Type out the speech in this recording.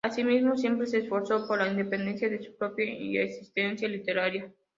Asimismo, siempre se esforzó por la independencia de su propia existencia literaria.